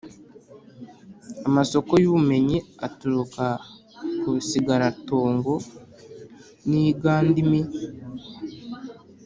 Amasoko y’ ubumenyi aturuka ku bisigaratongo n’iyigandimi